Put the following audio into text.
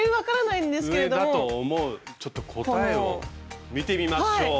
ちょっと答えを見てみましょう。